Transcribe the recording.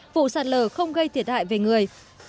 vụ sạt lở không gây thiệt hại về người